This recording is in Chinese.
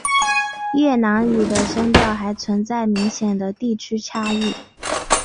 越南语的声调还存在明显的地区差异。